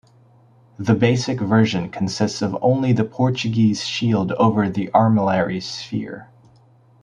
The basic version consists of only the Portuguese shield over the armillary sphere.